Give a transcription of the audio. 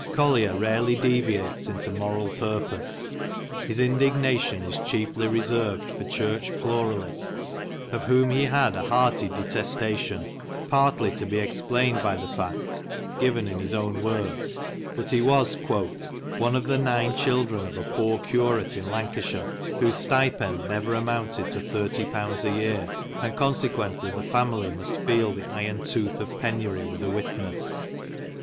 Collier rarely deviates into moral purpose. His indignation is chiefly reserved for Church pluralists — of whom he had a hearty detestation — partly to be explained by the fact (given in his own words) that he was " one of the nine children of a poor curate in Lancashire, whose stipend never amounted to thirty pounds a year, and consequently the family must feel the iron tooth of penury with a witness.